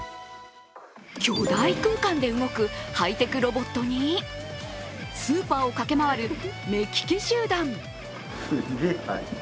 巨大空間で動くハイテクロボットにスーパーを駆け回る目利き集団。